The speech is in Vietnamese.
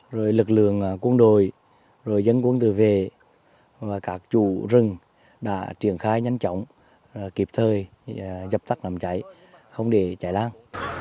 rồi lực lượng quân đội dân quân từ về và các chủ rừng đã triển khai nhanh chóng kịp thời dập tắt nắm cháy không để chạy lang